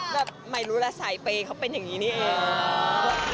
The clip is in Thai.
แบบไม่รู้ละสายเปย์เขาเป็นอย่างนี้นี่เอง